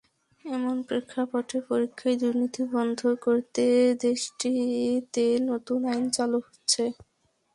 এমন প্রেক্ষাপটে পরীক্ষায় দুর্নীতি বন্ধ করতে দেশটিতে নতুন আইন চালু হচ্ছে।